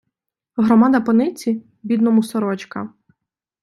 Громада по нитці — бідному сорочка.